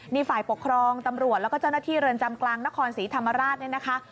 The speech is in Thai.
นี่ฝ่ายปกครองตำรวจแล้วก็เจ้าหน้าที่เรือนจำกลางนครศรีธรรมราชเนี่ยนะคะ